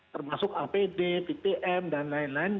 termasuk apd ptm dan lain lain